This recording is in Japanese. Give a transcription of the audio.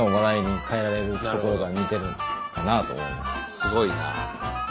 すごいな。